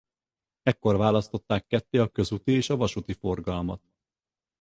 Ekkor választották ketté a közúti és a vasúti forgalmat.